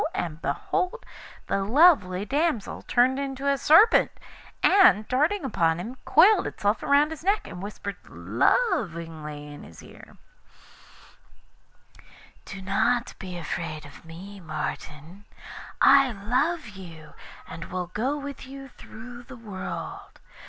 and behold the lovely damsel turned into a Serpent, and, darting upon him, coiled itself round his neck, and whispered lovingly in his ear: 'Do not be afraid of me, Martin; I love you, and will go with you through the world.